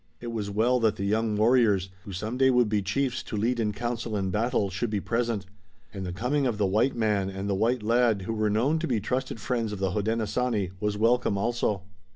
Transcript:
It was well that the young warriors, who some day would be chiefs to lead in council and battle, should be present. And the coming of the white man and the white lad, who were known to be trusted friends of the Hodenosaunee, was welcome also.